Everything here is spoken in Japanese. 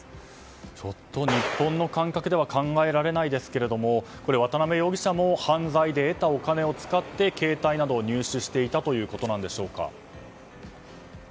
ちょっと日本の感覚だと考えられませんが渡辺容疑者も犯罪で得たお金を使って携帯などを入手していたということでしょうか。